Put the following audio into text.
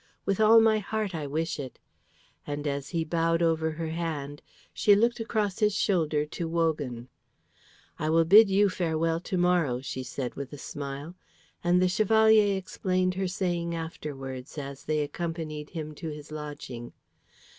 With all my heart I wish it;" and as he bowed over her hand, she looked across his shoulder to Wogan. "I will bid you farewell to morrow," she said with a smile, and the Chevalier explained her saying afterwards as they accompanied him to his lodging.